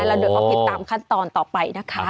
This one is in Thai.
เราเดินออกไปตามขั้นตอนต่อไปนะคะ